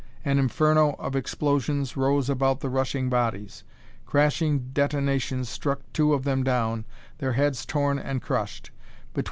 An inferno of explosions rose about the rushing bodies; crashing detonations struck two of them down, their heads torn and crushed.